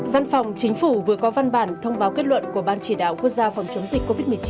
văn phòng chính phủ vừa có văn bản thông báo kết luận của ban chỉ đạo quốc gia phòng chống dịch covid một mươi chín